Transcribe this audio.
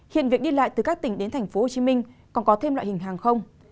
hiện việc đi lại từ các tỉnh đến tp hcm còn có thêm loại hình hàng không